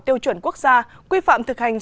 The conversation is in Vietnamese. tiêu chuẩn quốc gia quy phạm thực hành